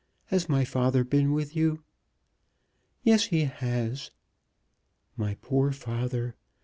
Has my father been with you?" "Yes, he has." "My poor father!